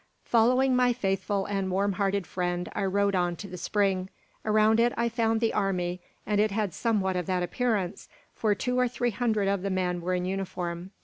Following my faithful and warm hearted friend, I rode on to the spring. Around it I found "the army"; and it had somewhat of that appearance, for two or three hundred of the men were in uniform.